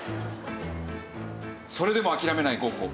それでも諦めないゴッホ。